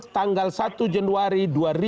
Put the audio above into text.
tanggal satu januari dua ribu sembilan belas